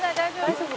大丈夫？」